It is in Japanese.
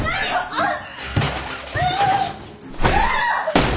あっ！